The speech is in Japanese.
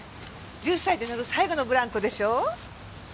１０歳で乗る最後のブランコでしょう？